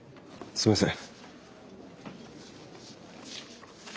すいません。